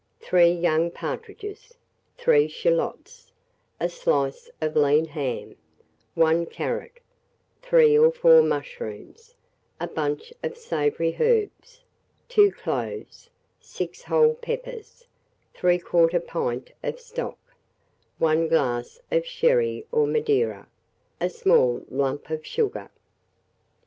3 young partridges, 3 shalots, a slice of lean ham, 1 carrot, 3 or 4 mushrooms, a bunch of savoury herbs, 2 cloves, 6 whole peppers, 3/4 pint of stock, 1 glass of sherry or Madeira, a small lump of sugar.